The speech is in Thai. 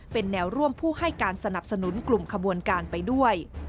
เป็นแนวร่วมผู้ให้การสนับสนุนกลุ่มขบวนการไปด้วย